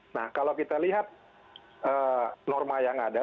nah kalau kita lihat norma yang ada